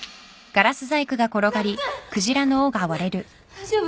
大丈夫？